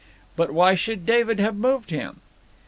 But why should David have moved him?